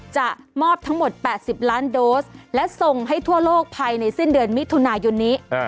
จะมอบทั้งหมด๘๐ล้านโดสและส่งให้ทั่วโลกภายในสิ้นเดือนมิถุนายนนี้